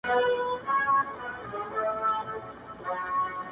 نوره به دي زه له ياده وباسم;